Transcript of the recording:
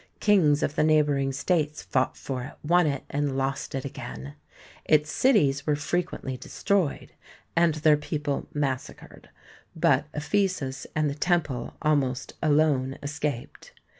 Kings of the neighbouring states fought for it, won it, and lost it again. Its cities were frequently n8 THE SEVEN WONDERS destroyed, and their people massacred, but Ephe sus and the temple almost alone escaped.